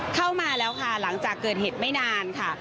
เข้ามาแล้วค่ะหลังจากเกิดเหตุไม่นานค่ะ